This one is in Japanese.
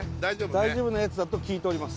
大丈夫なやつだと聞いております